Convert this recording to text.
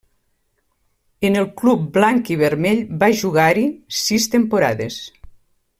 En el club blanc-i-vermell va jugar-hi sis temporades.